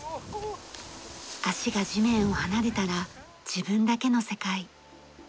足が地面を離れたら自分だけの世界。